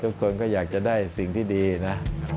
ทุกคนก็อยากจะได้สิ่งที่ดีนะ